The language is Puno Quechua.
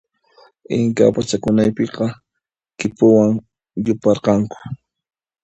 Inca pachakunapiqa khipuwan yuparqanku.